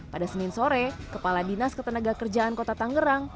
pada senin sore kepala dinas ketenaga kerjaan kota tangerang